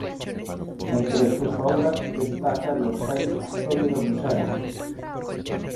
Entre sus obras destaca el Hotel Astoria de Bruselas.